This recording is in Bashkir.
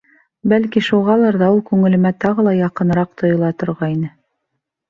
Бәлки шуғалыр ҙа ул күңелемә тағы ла яҡыныраҡ тойола торғайны.